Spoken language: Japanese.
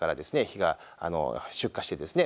火が出火してですね